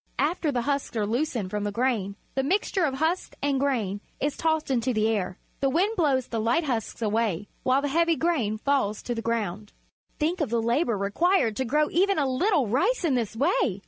After the husks are loosened from the grain, the mixture of husks and grain is tossed into the air. The wind blows the light husks away, while the heavy grain falls to the ground. Think of the labour required to grow even a little rice in this way!